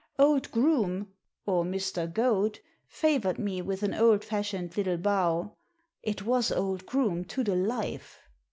Old Groome— or Mr. Goad — favoured me with an old fashioned little bow. It was old Groome to the life.